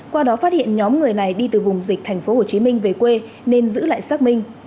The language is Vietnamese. qua đó phát hiện nhóm người này đi từ vùng dịch tp hồ chí minh về quê nên giữ lại xác minh